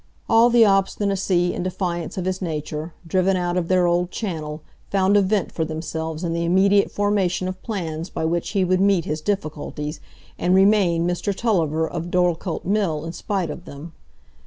All the obstinacy and defiance of his nature, driven out of their old channel, found a vent for themselves in the immediate formation of plans by which he would meet his difficulties, and remain Mr Tulliver of Dorlcote Mill in spite of them.